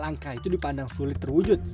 langkah itu dipandang sulit terwujud